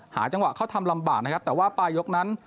หาจังหวะเข้าทำลำบากนะครับแต่ว่าปลายยกนั้น